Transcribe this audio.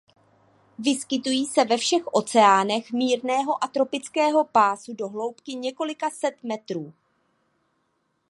Vyskytují se ve všech oceánech mírného a tropického pásu do hloubky několika set metrů.